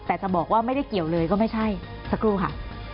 แต่จะบอกว่าไม่ได้เกี่ยวเลยก็ไม่ใช่สักครู่ค่ะ